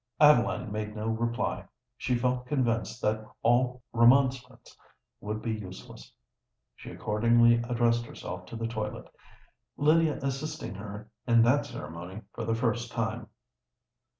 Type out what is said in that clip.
Adeline made no reply: she felt convinced that all remonstrance would be useless. She accordingly addressed herself to the toilet, Lydia assisting her in that ceremony for the first time.